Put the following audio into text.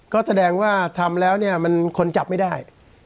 ก็แสดงว่าทำแล้วเนี่ยมันคนจับไม่ได้